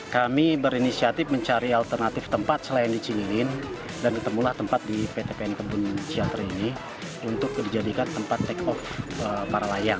kami berinisiatif mencari alternatif tempat selain di cililin dan ditemulah tempat di pt pn kebun ciater ini untuk dijadikan tempat take off